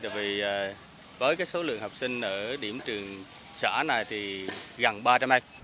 tại vì với số lượng học sinh ở điểm trường xã này thì gần ba trăm linh em